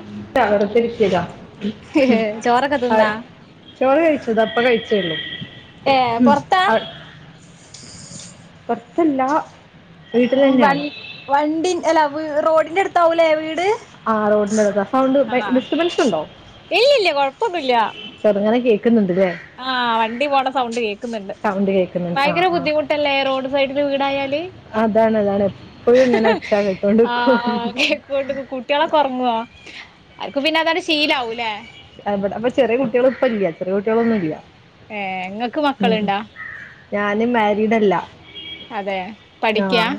[unintelligible] ഉം ഉം ചോറൊക്കെ അഹ് തിന്നാ ചോറ് കഴിച്ചതാ ഇപ്പ കഴിച്ചേ ഒള്ളൂ.. ഏഹ് പൊർത്താ പൊർത്ത് ഇല്ലാ.. വണ് വണ്ടി അല്ല വീ റോഡിന്റെ അടുത്താവൂലേ വീട് ആഹ് റോഡ്ന്റെടുത്താ സൗണ്ട് ബെ ഡിസ്റ്റർബൻസ് ഉണ്ടോ? ഇല്ല ഇല്ല കൊഴപ്പൊന്നുല്ലാ.. ചെർങ്ങനെ കേക്ക്ന്ന്ണ്ട്ല്ലെ ആഹ് വണ്ടി പോണ സൗണ്ട് കേക്കുന്ന്ണ്ട് സൗണ്ട് കേൾക്കുന്നുണ്ട് ആ ഭയങ്കര ആ ബുദ്ധിമു ട്ടല്ലേ റോഡ് സൈഡില് വീടായാല്.. അതാണ് അതാണ് എപ്പോഴും ഇങ്ങനെ ഒച്ചാ കേട്ടൊണ്ട് ഇക്കും.. വീട്ടിക്ക് കുട്ടിയാ ളൊക്കെ ഒർങ്ങോ, അൻക് പിന്നെ അതാണ്ട് ശീലവുംല്ലേ.. എവടെ അപ്പൊ ചെറിയേ കുട്ടിയാള് ഇപ്പ ഇല്യ ചെറിയേ കുട്ടിയാളൊന്നുല്ല. ഏഹ് ഇങ്ങക്ക് മക്കള്ണ്ടോ ഞാന് മേരീഡല്ലാ അതെ പഠിക്കാ ഞാന്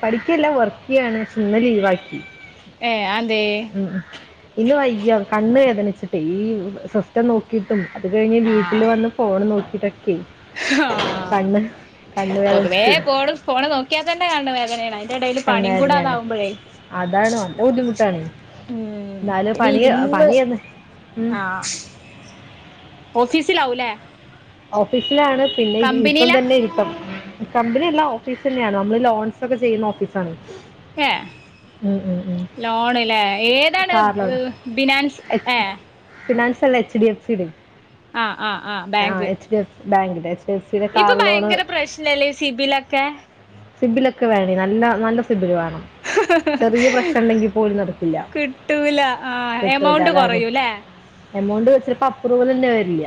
പഠിക്കല്ല വർക്ക് ചെയ്യാണ് പക്ഷെ ഇന്ന് ലീവാക്കി. ഏഹ് അയ്ന്തേ ഉം ഉം ഇന്ന് വയ്യ കണ്ണ് വേദനിച്ചിട്ടേ ഈ സിസ് റ്റം നോക്കിട്ടും അത് കഴിഞ്ഞ് വീട്ടിൽ ആഹ് വന്ന് ഫോൺ നോക്കിട്ടൊക്കെ ആഹ് ഹാം പൊതുവേ വേദനിച്ചിട്ടേ ഫോൺ ഫോൺ നോക്കിയാത്തന്നെ കണ്ണ് വേദനായി. അതിന്റെ എടെല്ല് കണ്ണ് പണിയും കൂടെ വേദനയാണ് താവുമ്പോഴേ.. അതാണ് നല്ല ബുദ്ധിമുട്ടാണ് ഉം എന്നാലും ഇനി പണി ഇരുന്നൂറ് പണിയെന്ന് ഉം. ആഹ്. ഓഫീസിൽ ആവും ല്ലെ. ഓഫീസിലാണ് പിന്നെ ഇരുത്തം കമ്പനിയിലാ തന്നെ ഇരുത്തം. കമ്പനിയല്ല ഓഫീസ് തന്നെയാണ് നമ്മള് ലോൺസ് ഒക്കെ ചെയ്യുന്ന ഓഫീസാണ്. ഏ ഉം ഉം ഉം. ലോണ് ല്ലെ. ഏതാണ് കാർ ലോൺ ഹ് ബിനാൻസ് ഏ. ഫിനാൻസ് അല്ലാ H D F C D ആഹ് ആഹ് ആഹ് ആ bank H D F bank ഇല്ലെ. എഫ് സി യുടെ കാർ ലോണ്. ല്ലെ ലൈ സിബി ലൊക്കെ.. സിബിലൊക്കെ വേണടി നല്ല നല്ല സിബിൽ വേണം.. ചെറിയ പ്രശ്നം ഉണ്ടെങ്കി പോലും നടക്കില്ല കിട്ടൂല ആഹ് കിട്ടൂല എമൗണ്ട് അതാണേ. കുറയൂല്ലേ എമൗണ്ട് വെച്ചിൽ പ്പ അപ്രൂവൽ ന്നെ വരില്യ..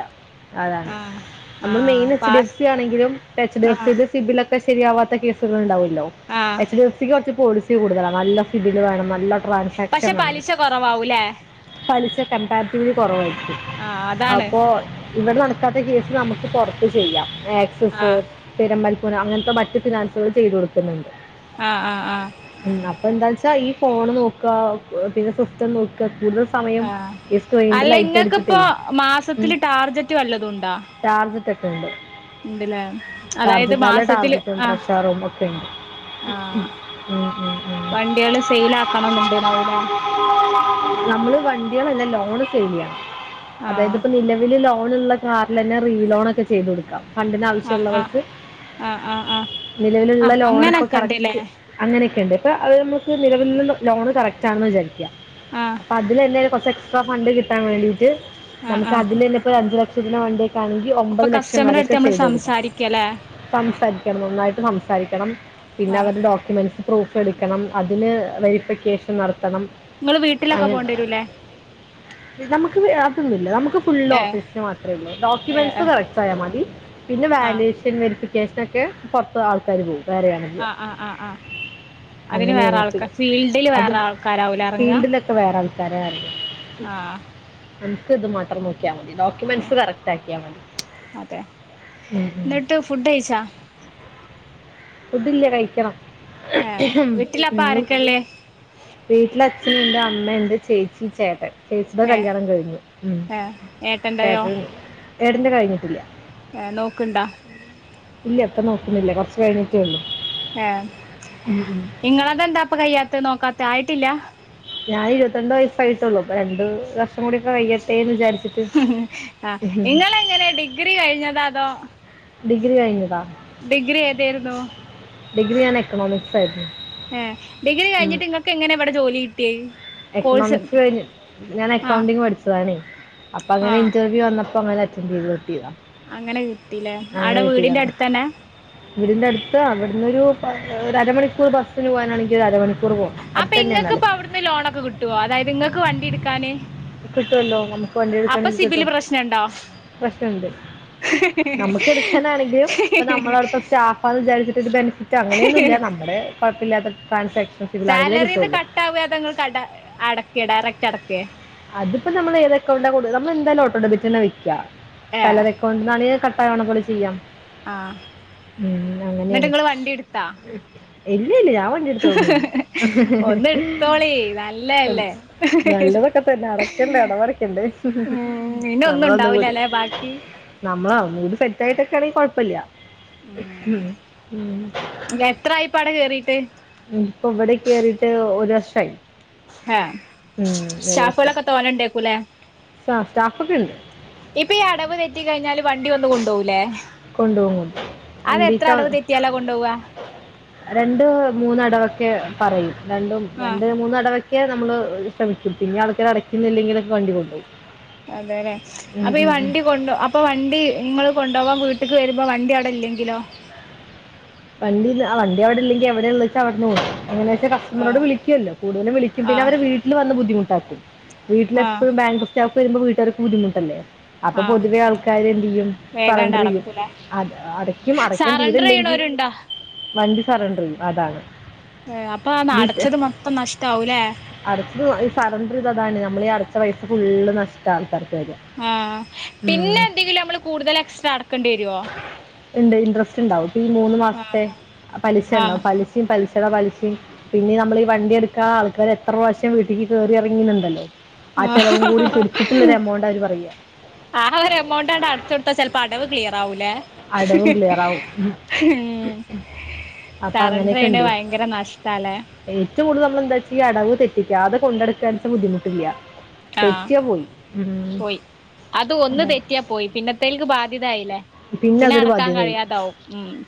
അതാണ് ആഹ് നമ്മൾ ആഹ് main H D F pass C ആണെങ്കിലും എച്ച് ഡി എഫ് ആഹ് സി സിബില ക്കെ ശെരിയാവാത്ത കേ. ഉണ്ടല്ലോ ആഹ് എച്ച് ഡി എ് സി ക്ക്‌ കുറച്ച് പോളിസി കൂടുതലാ നല്ല സിബിൽ വേണം നല്ല.. ട്രാൻഷാക്ഷൻ പക്ഷെ വേണം. പലിശ കുറവാവൂലേ പലിശ കമ്പാരിറ്റീവ്ലി കുറവായിരിക്കും ആഹ് അതാണ് അപ്പോ. ഇവിടെ നടക്കാത്ത കേസ് നമുക്ക് പുറത്ത് ചെയ്യാം ആക്സസ്. ആഹ് പെരമ്പൽപ്പുന അങ്ങനത്തെ മറ്റു ഫിനാൻസുകൾ ചെയ്തു കൊടുക്കുന്നുണ്ട്. ആഹ് ആഹ് ആഹ്. ഉം അപ്പൊ എന്താ വെച്ചാ ഈ ഫോണ് നോക്കുക പിന്നെ സ്വസ്ഥം നോക്കുക കൂടുത ആഹ് അല്ല ഇങ്ങൾക്കിപ്പോ മാസത്തില് ടാർജറ്റ് വല്ലതും ഉണ്ടാ ടാർജറ്റ് ഒക്കെ ഉണ്ട് ഉണ്ടല്ലേ അതായത് മാസത്തില് ആഹ് ചറോമൊക്കെണ്ട് ആഹ് മ്ം ഉം ഉം വണ്ടികള് സെയിൽ ആക്കണംന്നുണ്ടാവൂലേ നമ്മള് വണ്ടികൾല്ലെ ലോണ് സേവിയാണ് ആഹ് അതായത്പ്പോ നിലവിലോ ലോണുള്ള കാറിൽ തന്നെ റീലോൺ ഒക്കെ ചെയ്ത് കൊടുക്കാം ഫണ്ടിന് ആഹ് ആഹ് ആവശ്യമുള്ളവർക്ക് ആഹ് ആഹ് ആ നിലവിലുള്ള ലോണ് ഇപ്പൊ കറക്റ്റ് അങ്ങനെയൊക്കെ ഉണ്ട് ഇപ്പൊ അത് നമുക്ക് നിലവില ലോണ് കറക്റ്റാണെന്ന് വിചാരിക്കാം ആഹ് അപ്പൊ അതില് തന്നെ കൊറച്ച് എക്സ്ട്രാ ഫണ്ട് കിട്ടാൻ വേണ്ടിട്ട് ആഹ് നമുക്ക് ആഹ് അതില്ന്നെ അഞ്ചു ലക്ഷം സിചന വണ്ടിയക്കാണെങ്കിൽ അപ്പൊ ഒമ്പത് ലക്ഷം കസ്റ്റമറെ അടുത്ത് വരെയൊക്കെ നമ്മള് ചെയ്തൊടുക്കാം സംസാരിക്കല്ലേ സംസാരിക്കണം നന്നായിട്ട് സംസാരിക്കണം പിന്നെ ആഹ് അവരുടെ ഡോക്യൂമെന്റ്സ് പ്രൂഫ് എടുക്കണം അതിന് വെരിഫിക്കേഷൻ നടത്തണം നിങ്ങള് വീട്ടിലൊക്കെ അങ്ങനെ പോകണ്ടി വരൂല്ലേ നമുക്ക് അതൊന്നുമല്ല നമുക്ക് ഫുള് ഏഹ് ഓഫീസിന് മാത്രമേള്ളൂ ഏഹ് ഡോക്യുമെന്റ്സ് ഏഹ് കറക്റ്റ് യാൽ മതി പിന്നെ ആഹ് വാല്വേഷൻ വെരിഫിക്കേഷന് ഒക്കെ പുറത്ത് ആൾക്കാർ പോകും വേറെയാണ് പോവുക ആഹ് ആഹ് ആ ആഹ് അതിന് വേറെ അങ്ങനെയാണ് അപ്പം ആൾക്കാർ ഫീൽഡില് അതിൽ വേറെ ആൾക്കാരാവൂലേ ഇറങ്ങ ഫീൽഡിലൊക്കെ വേറെ ആൾക്കാരായിരുന്നു ആഹ് നമുക്ക് ഇത് മാത്രം നോക്കിയാൽ മതി ഡോക് കറക്റ്റ് ആക്കിയാൽ മതി അതെ ഉം എന്നിട്ട് ഫുഡ് കഴിച്ചാ ഫുഡില്ല കഴിക്കണം ആഹ് വീട്ടിലാപ്പ ഉം. ആരൊക്കെള്ളേ വീട്ടില് അച്ഛനുണ്ട് അമ്മേണ്ട് ചേച്ചി ചേട്ടൻ ചേച്ചീന്റെ ഏ കല്യാണം കഴിഞ്ഞു ഏ ഏട്ടന്റെയോ ഏടന്റെ ഏട്ടന്റെ കഴിഞ്ഞിട്ടില്ല ഏ നോക്കണ്ടാ ഇല്ല ഇപ്പൊ നോക്കുന്നില്ല കുറച്ച് കഴി ഏഹ് ഇങ്ങളതെന്താപ്പ കഴിയത്തു നോക്കാത്ത ആയിട്ടില്ല ഞാന് ഇരുമ്പതാണ്ട് വയസ്സായിട്ടുള്ളു അപ്പോ രണ്ട് വർഷം കുടിക്കോ കയ്യട്ടെ എന്ന് വിചാരി ആഹ് ഇങ്ങള് എങ്ങനെ ഡിഗ്രി കഴിഞ്ഞത അതോ ഡിഗ്ര കഴിഞ്ഞതാ ഡിഗ്രി ഏതായിരുന്നു ഡിഗ്രി ആണ് എക്കണോമിക്സ് ആയിരുന്നു ഏ ഡിഗ്രി കഴിഞ്ഞിട്ട് ഇങ്ങൾക് എങ്ങനെ എവിടെ ജോലി കിട്ടിയേത് എക്കണോമിക്സ് കയിഞ്ഞ് ഞാൻ ആ അകൗണ്ടിങ് പഠിച്ചതാണേ അപ്പൊ ആ അങ്ങനെ ഇൻക് വ്യു വന്നപ്പോ അങ്ങനെ അറ്റൻഡ ചെയ്ത് നോപിയ അങ്ങനെ കിട്ടീല്ലേ ആവിടെ വീടിന്റെ അടുത്തന്നെ വീടിന്റെ അടുത്ത അവിടന്ന് ഒരു പ അരമണിക്കൂർ ബസ്സിന് പോകാനാണെങ്കിൽ അരമണിക്കൂർ പോകണം അപ്പൊ അടുത്ത് തന്നെ ഇങ്ങൾക്ക് എന്നാലും ഇപ്പൊ അവിടുന്ന് ലോണൊക്കെ കിട്ടുവോ അതായത് ഇങ്ങൾക്ക് വണ്ടി എടുക്കാന് കിട്ടുവല്ലോ നമുക്ക് വണ്ടി അപ്പൊ എടുക്കണെങ്കിൽ സിബില് കിട്ടും പ്രശ്നണ്ടോ പ്രശ്നുണ്ട് നമുക്ക് എടുക്കാനാണെങ്കിലും ഇപ്പൊ നമ്മള് അവിടത്തെ സ്റ്റാഫാണ് വിചാരിച്ചട്ട് ബെനിഫി റ്റ് ഇല്ല അങനെയൊന്നുല്ല നമ്മുടെ കുഴപ്പമില്ലാത്ത ട്രാൻസാക്ഷൻ ഫിൽ അങ്ങനെ സാലറിന്ന് കുട്ടൊള്ളു കട്ടാവ അതോ ഇങ്ങൾ കട അടക്ക ഡയറക്ട് അടക്കെ അതിപ്പോ നമ്മൾ ഏത് അക്കൗണ്ട കൊട് നമ്മള് എന്തായാലും ഓട്ടോമെറ്റിക്ക് തെന്നെ വെക്ക്യ ഏ കര വേ കൊന്നാല് കട്ടായോണ പോലെ ചെയ്യാം ആഹ് ഉം എന്നിട്ട് അങ്ങനെയാണ് ഇങ്ങള് വണ്ടി എടുത്താ ഇല്ല ഇല്ല ഞാൻ വി ല്ല് എടുത്തോന്നുല്ല ഒന്ന് എടുത്തോളി നല്ലല്ലേ നല്ല ന്നെ അടക്കണ്ടേ അടവ് അടക്കണ്ടേ ഉം പിന്നെ ഒന്നും നമ്മളൊന്നും കൂടി ഉണ്ടാവൂലല്ലെ ബാക്കി നമ്മളാ നീട് സെറ്റ് ആയിട്ടൊക്കെ ആണെങ്കി കൊഴപ്പല്ല ഉം ഉം എത്രായിപ്പാടെ കേറീട്ട് ഇപ്പൊ ഇവടെ കെറീട്ട് ഒരു വർഷായി ആ വർഷമായി സ്റ്റാഫുകളൊക്കെ തോന്നണ്ടേക്കൂലേ സ്റ്റാഫൊക്കെ ഉണ്ട് ഇപ്പൊ ഈ അടവ് തെറ്റി കഴിഞ്ഞാല് വണ്ടി വന്നു കൊണ്ടുപോവുല്ലേ കൊണ്ടുപോകും കൊണ്ടുപോകും അത് എത്ര രണ്ടീച്ച അടവ് തെറ്റിയാല കൊണ്ടോവാ രണ്ട് മൂന്നടവൊക്കെ പറയും രണ്ടും ആഹ് രണ്ട് മൂന്നടവക്ക ഒക്കെ നമ്മള് ശ്രമിക്കും പിന്നെ ആൾക്കാർ അടക്കുന്നില്ലെങ്കിലൊക്കെ വണ്ടി കൊണ്ടുപോകും അതെല്ലെ ഉം, അപ്പൊ ഈ ഉം, ഉം. വണ്ടി കൊണ്ട് ഇപ്പോൾ വണ്ടി നിങ്ങൾ കൊണ്ടുപോകവാൻ വീട്ടേക്ക് വരുമ്പോൾ വണ്ടി അവിടെ ഇല്ലെങ്കിലോ വണ്ടി വണ്ടി അവിടെ ഇല്ലെങ്കി എവിടെ ഇള്ളെച്ചാ അവിടെന്ന് കൊണ്ട് പോകും അങ്ങനെ [unintelligible] രോട് ആഹ് വിളിക്ക്യോല്ലോ കൂടുതലും വിളിക്യും പിന്നെ ആഹ് അവരെ വീട്ടില് വന്ന് ബുദ്ധിമുട്ടാക്കും ആഹ് വീട്ടിലെപ്പഴും ബാങ്ക് വരുമ്പോ വീട്ടുകാർക്ക് ബുദ്ധിമുട്ടല്ലേ അപ്പൊ ആഹ് പൊതുവെ ആൾക്കാര് എന്ത് ചെയ്യും വേഗാണ്ട് സറണ്ടർ ചെയ്യും അടക്കൂലേ അത് അടക്കും അടയ്ക്കാൻ സറണ്ടർ തീരല്ലെങ്കി ചെയ്യണോരുണ്ടോ വണ്ടി സറണ്ടർ ചെയ്യും അതാണ് ഏ അപ്പൊന്ന അടച്ചത് മൊത്തം നഷ്ടാവുലേ അടച്ചത് ഈ സറണ്ടർ ഇത് അതാണ് നമ്മള് ഈ അടച്ച പൈസ ഫുള്ള് നഷ്ടാ ആൾക്കാർക്ക് വര ആഹ് പിന്നെ എന്തെങ്കിലും നമ്മള് കൂടുതൽ എക്സ്ട്രാ അടക്കേണ്ടി വരുവോ ഉണ്ട് ഇൻറ്രസ്റ്റ് ഉണ്ടാവും ഇപ്പൊ ഈ മൂന്ന് ആഹ് മാസത്തെ പലിശ ആഹ് ഉണ്ടാവും പലിശയും പലിശയുടെ പലിശയും പിന്നെ നമ്മൾ വണ്ടി എടുക്കാ ആൾക്കാര് എത്ര പ്രാവശ്യം വീട്ടിക്ക് കേറി ഇറങ്ങുന്നുണ്ടല്ലോ ആഹ് ചെലവും കൂടി പിടിച്ചിട്ടുള്ളൊരു എമൗണ്ട് അവര് പറയ ആഹ് ഒരു എമൗണ്ട്ണ്ടണ്ട് അടച്ച കൊടുത്ത ചില പ്പ അടവ് ക്ലിയറ് ആവൂലേ അടവും ക്ലിയർ ആവും ഉം അപ്പൊ സറണ്ടർ അങ്ങനെയൊക്കെ ചെയ്യ്ണ ഉണ്ട് ഭയങ്കര നഷ്ട ലെ ഏറ്റവും കൂടുതൽ നമ്മൾ എന്താ വച്ചാ ഈ അടവ് തെറ്റിക്കാത കൊണ്ടടുക്കാൻ ബുദ്ധിമുട്ടില്ല ആഹ് തെറ്റിയാ പോയി പോയി അത് ഒന്ന് അതെ. തെറ്റിയാ പോയി പിന്നത്തേക്ക് ബാധ്യത ആയില്ലേ പിന്നെ അതൊരു ബാധ്യതയായ്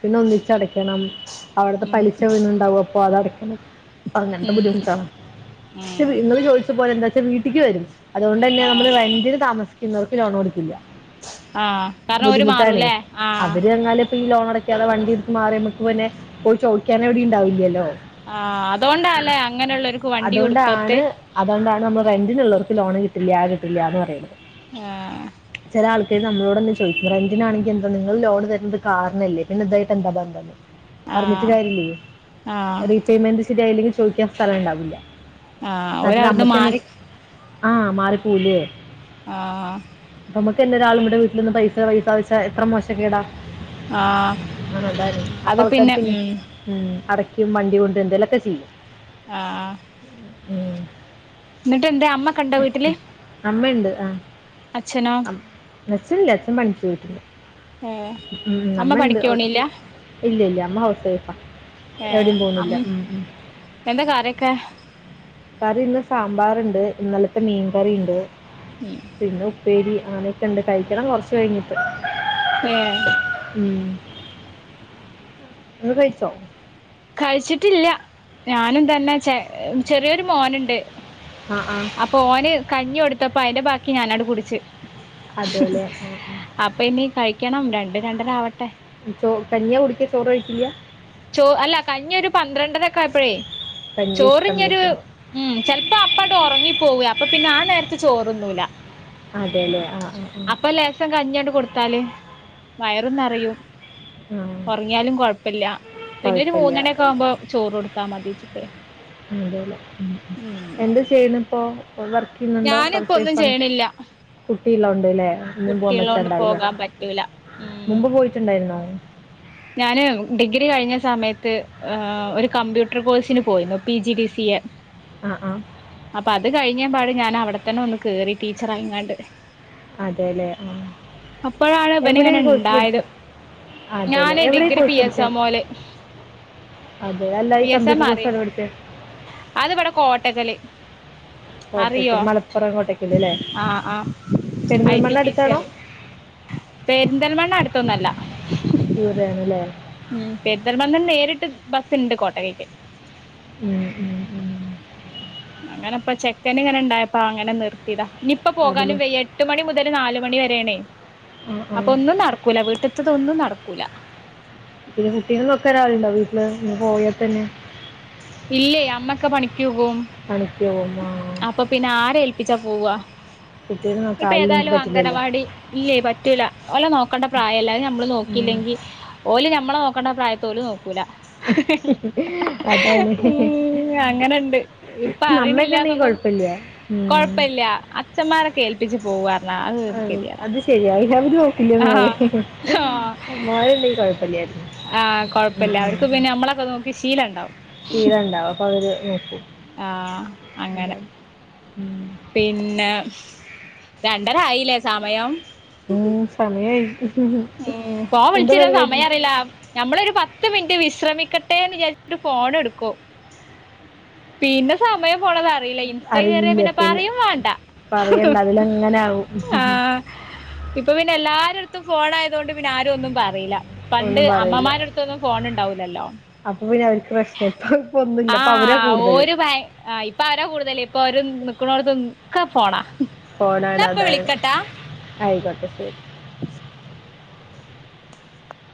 പിന്നെ ഒന്നിച്ചടക്കണം അവിടത്തെ ഉം പലിശ വീണിട്ടുണ്ടാകും അപ്പൊ അത് അടക്കണം അങ്ങനത്തെ ഉം ബുദ്ധിമുട്ടാ പക്ഷെ ഉം നിങ്ങള് ചോദിച്ച പോലെ എന്താ വച്ചാ വീട്ടിലക്ക് വരും അതുകൊണ്ട് തന്നെ ആഹ് നമ്മള് റെൻ്റ്ന് താമസിക്കുന്നവർക്ക് ലോണ് കൊടുക്കില്ല ആഹ് കാരണം ഓര് മാ ത്തനെ അവര് തന്നാലും ഈ ലോണ് അടക്കാതെ വണ്ടി ഇടുത്ത് മാറി നമ്മക്ക് പിന്നെ പോയി ചോദിക്കാൻ എവിടെണ്ടാവില്ലല്ലോ ആഹ് അതുകൊണ്ടല്ലേ അങ്ങനെയുള്ളവർക്ക് വണ്ടി കൊടുക്കാത്ത അതുകൊണ്ടാണ് അതുകൊണ്ടാണ് നമ്മള് റെന്റിനുള്ളവർക്ക് ലോണ് കിട്ടില്ല ആഹ് കിട്ടില്ല എന്ന് പറയുന്നത് ആഹ് ചില ആൾക്കൾ നമ്മളോട്ന്ന് ചോദിക്ക പറ അതിനാണെങ്കിൽ എന്താ നിങ്ങൾ ലോൺ തരുന്നത് കാറിനല്ലേ പിന്നെ ഇതായിട്ട് എന്താ ബന്ധന്ന് പറഞ്ഞിട്ട് ആഹ് കാര്യല്ലേ ആഹ് റീപേയ്മെന്റ് ശരിയായില്ലെങ്കി. ചോയ്ക്കാൻ സ്ഥലംണ്ടാവില്ല ആഹ് എന്നാല് ഓരവിടുന്ന് അമ്മക്ക്ന്നെ മാറി ആഹ് മാറി പോകൂലേ ആഹ് നമ്മക്ക് തന്നെ ഒരാള് ഇവടെ വീട്ടില് വന്ന് പൈസ പൈസ പൈസ എത്ര മോശ കേടാ ആഹ് ആണല്ലാര അപ്പൊ അത് ആൾക്കാർ പിന്നെ ഉം ഉം അടയ്ക്കും വണ്ടി കൊണ്ടും എന്തേങ്കലുമൊക്കെ ചെയ്യും ആഹ് ഉം എന്നിട്ട് എന്ത അമ്മകുണ്ടോ വീട്ടില് അമ്മണ്ട് ആ അച്ഛനോ അച്ചല്ല അച്ഛൻ പണിക്ക് പോയിട്ടുണ്ട് ഏഹ് ഉം അമ്മ അമ്മണ്ട് പണിക്കോണില്ല ഇല്ല ഇല്ല അമ്മ ഹൗസ് വൈഫാ ഏഹ് എവിടീം പോകുന്നില്ല അം ഉം ഉം എന്താ കറി വെക്കാൻ കറി ഇന്ന് സാമ്പാറ്ണ്ട് ഇന്നലത്തെ മീൻ കറിണ്ട് ഉം പിന്നെ ഉപ്പേരി അങ്ങനൊക്കെണ്ട് കഴിക്കണം കൊർച് കഴിഞ്ഞിട്ട് ഏഹ് ഉം ഇങ്ങള് കഴിച്ചോ കഴിച്ചിട്ടില്ല ഞാനും തന്നെ ചെ ചെറിയൊരു മോനുണ്ട് ആഹ് ആഹ് ഓന് കഞ്ഞി കൊടുത്തപ്പോ അതിന്റെ ബാക്കി ഞാനാട് കുടിച് അതെ അല്ലേ ആ, ആ. അപ്പൊ ഇനി കഴിക്കണം രണ്ട് രണ്ടരാവട്ടെ ചോ കഞ്ഞിയ കുടിക്ക ചോറ് കഴിക്കില്ല ചോ അല്ല കഞ്ഞി ഒരു പന്ത്രണ്ടരയപ്പോഴെ കഞ്ഞി [inaudible] ഒര് ഉം ചെലപ്പോ അപ്പണ്ട് ഉറങ്ങി പോവും അപ്പൊ പിന്നെ ആ നേരത്ത് ചോറൊന്നുല്ല അതെല്ലെ ആഹ് ആഹ് ആഹ് ലേസം കഞ്ഞി അങ്ട്ട് കൊടുത്താല് വയറും നറയും ആ ആ ഒറങ്ങിയാലും കോഴപ്പല്ല പിന്നെ ഒരു കുഴപ്പമില്ല മൂന്നാണിയൊക്കെ ആവുമ്പോ ചോറ് കൊടുത്താ മതിച്ചിട്ടേ അതല്ലെ ഉം ഉം എന്ത് ചെയിണിപ്പോ ഓല് വാർക്ക് പിന്നെന്തോ ഞാനിപ്പോ ഹൗസ് ഒന്നും വൈഫണ് ചെയ്യണില്ല കുട്ടിള്ളോണ്ട്ല്ലേ ഒന്നും പോവാൻ കുട്ടികളോണ്ട് പറ്റണ്ടാവില്ല പോകാൻ പറ്റൂല ഉം മുമ്പ് പോയിട്ടുണ്ടായിരുന്നോ ഞാന് ഡിഗ്രി കഴിഞ്ഞ സമയത്ത് ഏ ഒരു കമ്പ്യൂട്ടർ കോഴ്സിന് പോയിരുന്നു P G D C A ആഹ് ആഹ് അപ്പൊ അത് കഴിഞ്ഞ പാട് ഞാൻ അവിടെത്തന്നെ ഒന്ന് കേറി ടീച്ചറായിങ്ങാണ്ട് അതേല്ലേ ആ അപ്പഴാണ് ഇവന് എവിടെ ഇങ്ങനെ ഈ കോഴ്സ് ഇണ്ടായത് പഠിച്ചത് അതേല്ലേ ഞാന് എവിടെ ഈ ഡിഗ്രി പി കോഴ്സ് സ് പഠിച്ചത് സാമോല് അതെ അല്ല ഈ കമ്പ്യൂട്ടർ കോഴ്സ് ഏതാ പഠിച്ചേ അത് ഇബടെ കോട്ടക്കല് അറിയോ കോട്ടയ്ക്കൽ മലപ്പുറം കോട്ടയ്ക്കൽ അല്ലേ ആഹ് ആഹ് ഐട്ടി പെരിന്തൽമണ്ണ ട്ടി സി അടുത്താണോ അരിം പെരിന്തൽമണ്ണ അടുത്തൊന്നല്ല ദൂരാണ്ല്ലെ ഉം പെരിന്തൽമണ്ണന്ന് നേരിട്ട് ബസ്സ്ണ്ട് കോട്ടകക്ക് ഉം ഉം ഉം ഉ അങ്ങനെപ്പ ചെക്കൻ അ അങ്ങനെപ്പോ ചെക്കണിനി ങ്ങനെണ്ടായപ്പോ അങ്ങനെ നിർത്തിതാ ഇനിപ്പോ അതില് പോകാനും വയ്യട്ട് എട്ട് മണി മുതല് നാല് മണി വരെണേ ആ ആ അപ്പോന്നും നടക്കൂല വീട്ടത്തതൊന്നും നടക്കൂല പിന്നെ കുട്ടിനെ നോക്കാൻ ആൾ ണ്ടൊ വീട്ടില് ഇണ്ടാവോ ഇജ്ജ് പോയാ തന്നെ ഇല്ലയ് അമ്മൊക്കെ പണിക്കുപോകും പണിക്ക് പോകും ആ അപ്പ പി പിന്നെആരെ ഏൽപ്പിച്ചാ പോവാ കുട്ടീനെ നോക്കാൻ ഇപ്പ ആളില്ല എനിക്ക് ഏതായാലും പറ്റില്ലല്ലോ അംഗനവാടി ഇല്ലേ പറ്റൂല ഓലെ നോക്കേണ്ട പ്രായല്ലെ അത് ഞമ്മള് ഉം. നോക്കിയില്ലെങ്കി ഓല് ഞമ്മളെ നോക്കണ്ട പ്രായത് ഓല് നോക്കൂല അതാണ് ഉം അങ്ങനെണ്ട് ഇപ്പ അറീ ണില്ലന്നൊന്നും ഇല്ല കോഴപ്പല്ല അച്ഛന്മാരൊക്കെ ഏൽപ്പിച്ച് പോവാ ആഹ് അത് ശെരിയാ അവര് നോക്കില്ല ആഹ് നേരെ ആഹ് മോളില്ല ങ്കി കൊഴപ്പല്ലായിരുന്നു ആഹ് കൊഴപ്പല്ല അവർക്ക് പിന്നെ നമ്മളൊക്കെ നോക്കി ശീലണ്ടാവും ശീലം ഉണ്ടാവും അപ്പൊ അവര് നോക്കും ആഹ് അങ്ങനെ അതാണ്. ഉം പിന്നെ രണ്ടരയിലെ സമയം ഉം സമയായി ഉം ഫോൺ എന്താ വിളിച്ചിര്ന്ന പരിപാടി സമയറിയില മ്മളൊരു പത്ത് മിനിറ്റ് വിശ്രമിക്കട്ടെന്ന് വിചാരിച്ചിട്ട് ഫോൺടുക്കും പിന്നെ സമയം പോണതാണ് അറിയില്ല ഇൻസ്റ്റ കേറിയ പിന്നെ പറയും വേണ്ട പറയണ്ട അതിലങ്ങനെ ആവും ആ ഇപ്പൊ പിന്നെ എല്ലാരടത്തും ഫോൺ ആയതൊണ്ട് പിന്നെ ആരും ഒന്നും പറയില്ല പണ്ട് ഒന്നും പറയില്ല അമ്മമാരടുത്തൊന്നും ഫോൺ ഉണ്ടാവില്ലല്ലോ അപ്പൊ പിന്നെ അവർക്ക് പ്രശ്നം ഇപ്പ ഇപ്പൊ ഒന്നുല്ല അപ്പൊ അവരെ ആഹ് കൂടുതല് ഓര് ഭയ ആഹ് ഇപ്പൊ അവര കൂടുതല് ഇപ്പൊ അവര നക്കണോടുത്ത് ഒക്കെ പോണ ഫോണാണ് എന്നാപ്പൊ അതാണ് വിളിക്കട്ടാ ആയിക്കോട്ടെ ശരീ [inaudible]